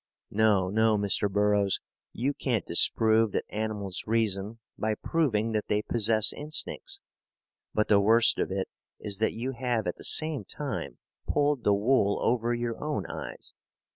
No, no, Mr. Burroughs; you can't disprove that animals reason by proving that they possess instincts. But the worst of it is that you have at the same time pulled the wool over your own eyes.